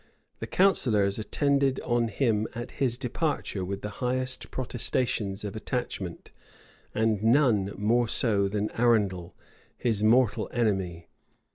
The counsellors attended on him at his departure with the highest protestations of attachment, and none more than Arundel, his mortal enemy.